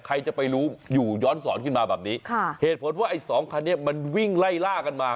ใครจะไปรู้อยู่ย้อนสอนขึ้นมาแบบนี้ค่ะเหตุผลว่าไอ้สองคันนี้มันวิ่งไล่ล่ากันมา